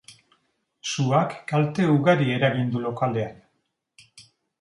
Suak kalte ugari eragin du lokalean.